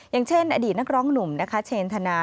อย่างเช่นอดีตนักร้องหนุ่มนะคะเชนธนา